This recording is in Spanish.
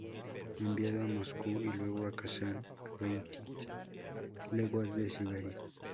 Enviado a Moscú, y luego a Kazán, a veinte leguas de Siberia.